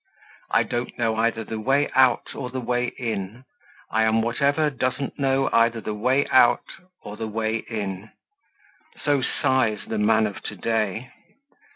"I don't know either the way out or the way in; I am whatever doesn't know either the way out or the way in" so sighs the man of today....